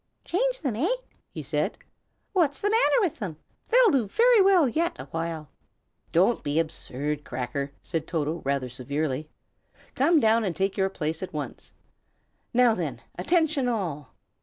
"Change them, eh?" he said. "What's the matter with them? They'll do very well yet awhile." "Don't be absurd, Cracker!" said Toto, rather severely. "Come down and take your place at once! Now, then, attention all!